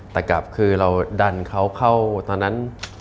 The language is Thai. แต่กลับคือเราดันเขาเข้าตอนนั้น